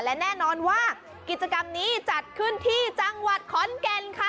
และแน่นอนว่ากิจกรรมนี้จัดขึ้นที่จังหวัดขอนแก่นค่ะ